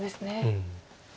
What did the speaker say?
うん。